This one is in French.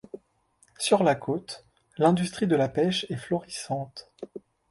Sur la côte, l'industrie de la pêche est florissante.